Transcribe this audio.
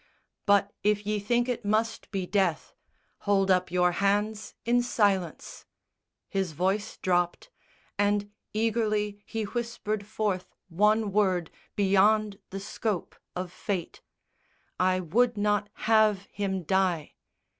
But, if ye think it must be death, Hold up your hands in silence!" His voice dropped, And eagerly he whispered forth one word Beyond the scope of Fate "I would not have him die!"